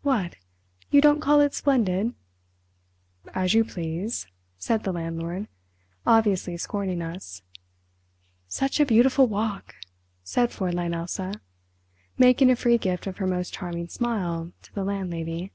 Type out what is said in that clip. "What! you don't call it splendid!" "As you please," said the landlord, obviously scorning us. "Such a beautiful walk," said Fräulein Elsa, making a free gift of her most charming smile to the landlady.